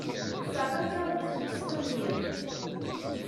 Ṭṭseɣ akka deg ttnaṣfa n yiḍ.